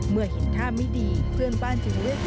เมื่อเห็นท่าไม่ดีเพื่อนบ้านจึงเลือดจรวด